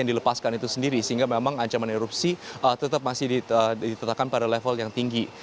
yang dilepaskan itu sendiri sehingga memang ancaman erupsi tetap masih ditetapkan pada level yang tinggi